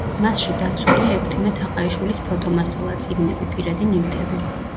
მასში დაცულია ექვთიმე თაყაიშვილის ფოტომასალა, წიგნები, პირადი ნივთები.